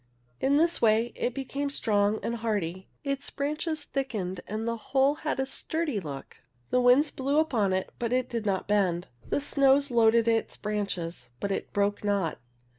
In this way it became strong and hardy, its branches thickened and the whole had a sturdy look. The winds blew upon it, but it did not bend. The snows loaded its branches, but it hrcke not.